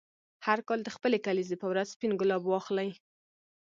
هر کال د خپلې کلیزې په ورځ سپین ګلاب واخلې.